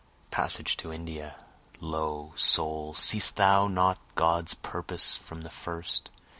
Passage to India! Lo, soul, seest thou not God's purpose from the first?